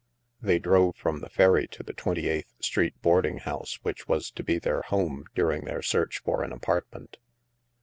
They drove from the ferry to the Twenty eighth Street boarding house which was to be their home 4uring their search for an apartment.